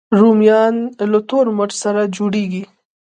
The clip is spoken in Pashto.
رومیان له تور مرچ سره جوړېږي